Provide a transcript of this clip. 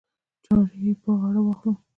چارې یې پر غاړه واخلو.